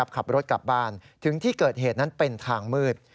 ขับรถกลับบ้านถึงที่เกิดเหตุนั้นเป็นทางมืด